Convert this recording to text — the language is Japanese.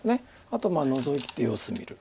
あとはノゾいて様子見る。